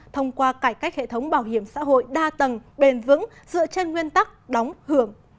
thông qua cải cách hệ thống bảo hiểm xã hội đa tầng bền vững dựa trên nguyên tắc đóng hưởng